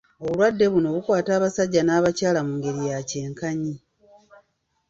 Obulwadde buno bukwata abasajja n'abakyala mu ngeri ya kyenkanyi